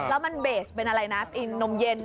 แล้วมันเบสเป็นอะไรนะนมเย็น